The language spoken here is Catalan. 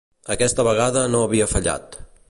Aquesta vegada no havia fallat.